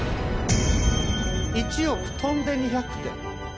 １億とんで２００点。